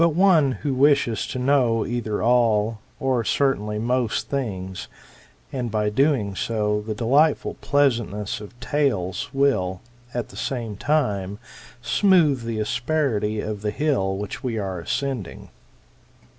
one who wishes to know either all, or certainly most things; and, by so doing, the delightful pleasantness of tales will, at the same time, smooth the asperity of the hill which we are ascending.